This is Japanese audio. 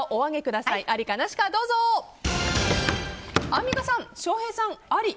アンミカさん、翔平さん、あり。